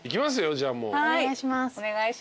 お願いします。